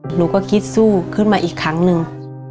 หนูก็คิดสู้ขึ้นมาอีกครั้งหนึ่ง